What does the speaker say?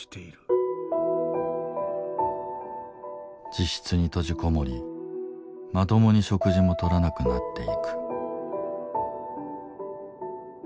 自室に閉じこもりまともに食事もとらなくなっていく。